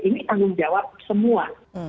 ini tanggung jawab semua